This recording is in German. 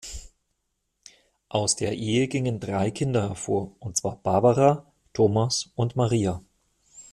Aus der Ehe gingen drei Kinder hervor, und zwar Barbara, Thomas und Maria.